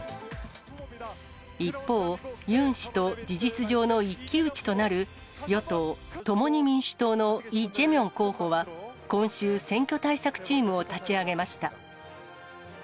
一方、ユン氏と事実上の一騎打ちとなる、与党・共に民主党のイ・ジェミョン候補は、今週、選挙対策チームを立ち上げました。